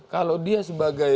kalau dia sebagai